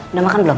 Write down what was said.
udah makan belum